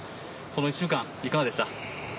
この１週間いかがでした？